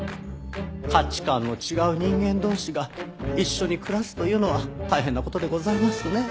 価値観の違う人間同士が一緒に暮らすというのは大変な事でございますね。